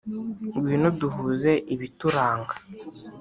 Ngwino duhuze ibituranga